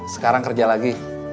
sekarang kerja lagi